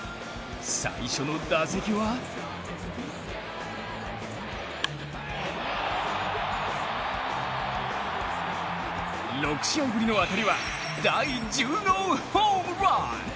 最初の打席は６試合ぶりの当たりは第１０号ホームラン。